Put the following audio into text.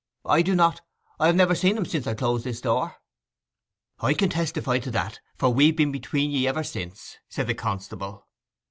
'I do not. I have never seen him since I closed this door.' 'I can testify to that, for we've been between ye ever since,' said the constable.